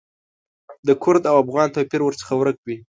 د کرد او افغان توپیر ورڅخه ورک وي.